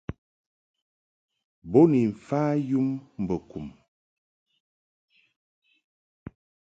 Bo ni mfa yum mbo kum.